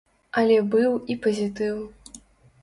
Але быў і пазітыў.